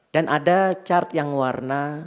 dan ada chart yang warna